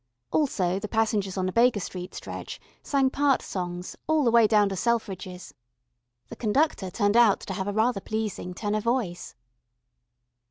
Also the passengers on the Baker Street stretch sang part songs, all the way down to Selfridge's. The conductor turned out to have rather a pleasing tenor voice.